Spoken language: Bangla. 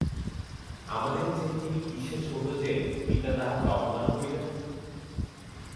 আমাদের চেয়ে তিনি কিসে ছােট যে, পিতা তাঁহাকে অপমান করিবেন?